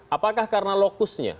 apakah karena lokusnya